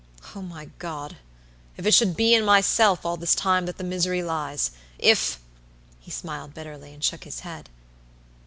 Oh, my God, if it should be in myself all this time that the misery lies; if" he smiled bitterly, and shook his head.